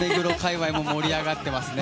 盛り上がってますね